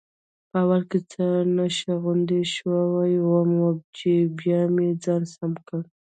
په اول کې څه نشه غوندې شوی وم، چې بیا مې ځان سم کړ.